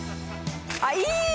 あっいい！